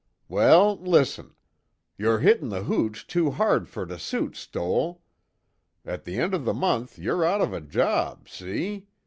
"Well, listen: You're hittin' the hooch too hard fer to suit Stoell. At the end of the month you're out of a job see?